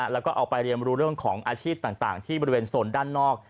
แล้วก็เอาไปเรียนรู้เรื่องของอาชีพต่างที่บริเวณโซนด้านนอก